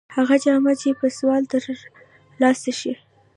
هغه جامه چې په سوال تر لاسه شي.